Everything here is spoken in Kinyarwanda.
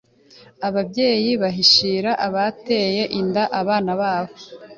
Ababyeyi bahishira abateye inda abana babo